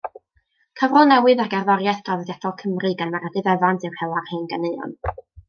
Cyfrol newydd ar gerddoriaeth draddodiadol Cymru gan Meredydd Evans yw Hela'r Hen Ganeuon.